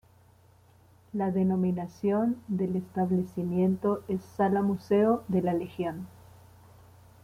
La denominación del establecimiento es Sala-museo de la Legión.